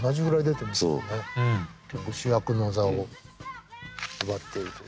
結構主役の座を奪っているというか。